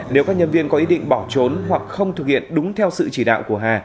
nếu các nhân viên có ý định bỏ trốn hoặc không thực hiện đúng theo sự chỉ đạo của hà